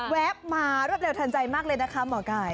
มารวดเร็วทันใจมากเลยนะคะหมอไก่